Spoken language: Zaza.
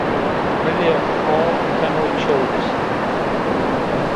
Mîlê xo keno çewt